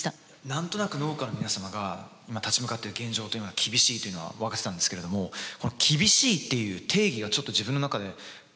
何となく農家の皆様が今立ち向かっている現状というのは厳しいというのは分かってたんですけれどもこの厳しいっていう定義がちょっと自分の中で変わったといいますか。